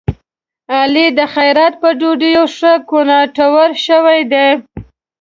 علي د خیرات په ډوډيو ښه کوناټور شوی دی.